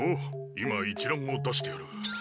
今一覧を出してやる。